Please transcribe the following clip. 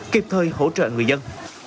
kịp thời hỗ trợ người dân